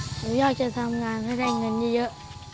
หนูอยากจะทำงานเก็บเงินมาเยอะเพื่อไปรักษาพ่อเพราะพ่อเป็นโรคไตวาย